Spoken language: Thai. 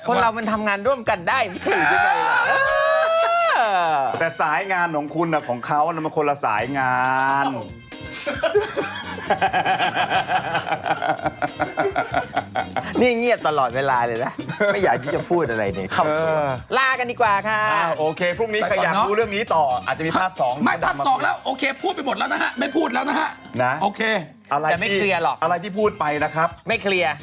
คนเรามันทำงานร่วมกันได้ไม่ใช่แบบนี้